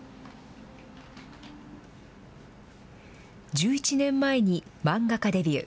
１１年前に漫画家デビュー。